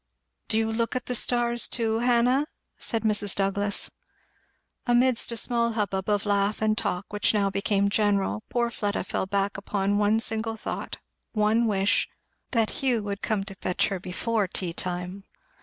"Do you look at the stars, too, Hannah?" said Mrs. Douglass. Amidst a small hubbub of laugh and talk which now became general, poor Fleda fell back upon one single thought one wish; that Hugh would come to fetch her home before tea time.